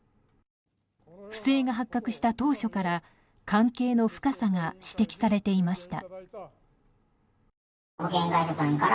不正が発覚した当初から関係の深さが指摘されていました。